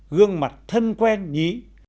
gương mặt thân quen nhí